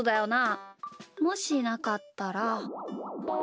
もしなかったら。